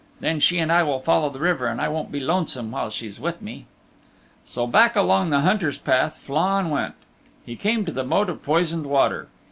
And then she and I will follow the river, and I won't be lonesome while she's with me." So back along the Hunter's Path Flann went. He came to the Moat of Poisoned Water.